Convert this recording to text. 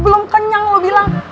belum kenyang lo bilang